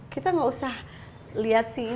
kita tidak usah lihat sini